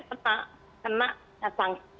ternak kena sanksi